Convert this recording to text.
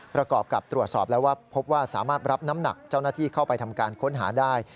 ประกอบกับตรวจสอบแล้วว่าพบว่าสามารถรับน้ำหนักเจ้าหน้าที่เข้าไปทำการค้นหาได้